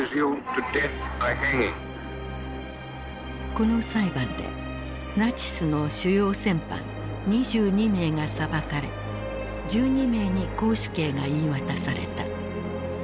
この裁判でナチスの主要戦犯２２名が裁かれ１２名に絞首刑が言い渡された。